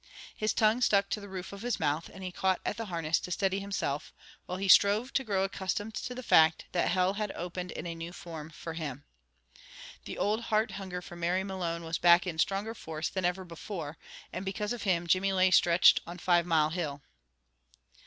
His tongue stuck to the roof of his mouth, and he caught at the harness to steady himself, while he strove to grow accustomed to the fact that Hell had opened in a new form for him. The old heart hunger for Mary Malone was back in stronger force than ever before; and because of him Jimmy lay stretched on Five Mile Hill.